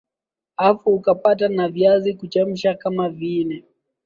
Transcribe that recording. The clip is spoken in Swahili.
afu ukapata na viazi vya kuchemsha kama vinne